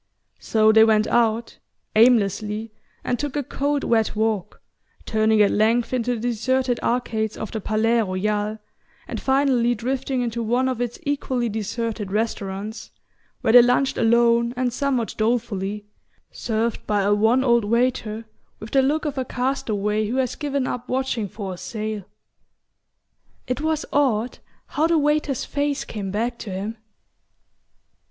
So they went out, aimlessly, and took a cold wet walk, turning at length into the deserted arcades of the Palais Royal, and finally drifting into one of its equally deserted restaurants, where they lunched alone and somewhat dolefully, served by a wan old waiter with the look of a castaway who has given up watching for a sail... It was odd how the waiter's face came back to him...